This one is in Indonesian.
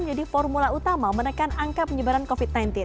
menjadi formula utama menekan angka penyebaran covid sembilan belas